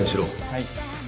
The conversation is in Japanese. はい。